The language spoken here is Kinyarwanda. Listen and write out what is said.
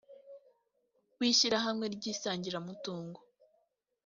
w ishyirahamwe ry isangiramutungo